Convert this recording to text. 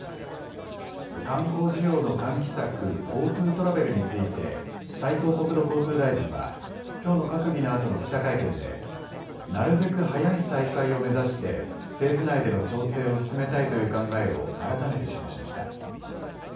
観光需要の喚起策、ＧｏＴｏトラベルについて斉藤国土交通大臣はきょうの閣議後の記者会見でなるべく早い再開を目指して政府内での調整を進めたいという考えを改めて示しました。